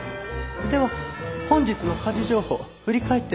では本日の家事情報振り返って参りましょう。